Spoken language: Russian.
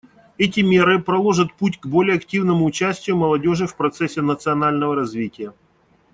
Эти меры проложат путь к более активному участию молодежи в процессе национального развития.